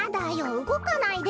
うごかないで。